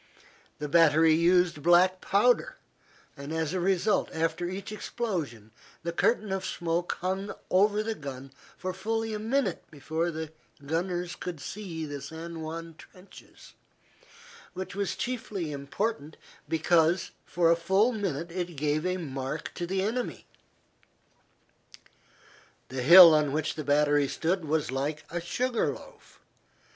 The battery used black powder, and, as a result, after each explosion the curtain of smoke hung over the gun for fully a minute before the gunners could see the San Juan trenches, which was chiefly important because for a full minute it gave a mark to the enemy. The hill on which the battery stood was like a sugar loaf.